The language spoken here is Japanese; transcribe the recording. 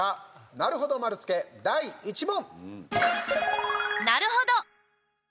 なるほど丸つけ、第１問。